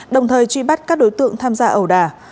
đồng thời truy bắt các đối tượng tham gia ẩu đà